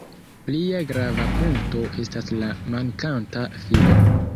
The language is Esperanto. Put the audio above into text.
Plia grava punkto estas la mankanta fido.